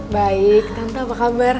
baik tante apa kabar